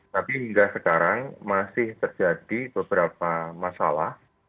tapi hingga sekarang masih terjadi beberapa masalah